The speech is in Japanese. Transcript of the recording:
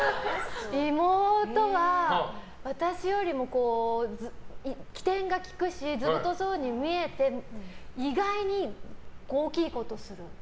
妹は、私よりも機転が利くし図太そうに見えて意外に大きいことする。